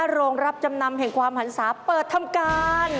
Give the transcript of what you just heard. โรงรับจำนำแห่งความหันศาเปิดทำการ